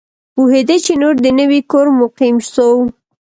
پوهېدی چي نور د نوي کور مقیم سو